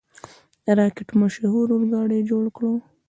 د راکټ مشهور اورګاډی یې جوړ کړ.